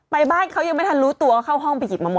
ไปบ้านเขายังไม่ทันรู้ตัวเข้าห้องไปหยิบมาหมด